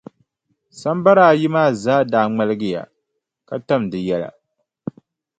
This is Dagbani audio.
Sambara ayi maa zaa daa ŋmaligiya, ka tam di yɛla.